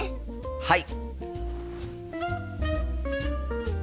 はい！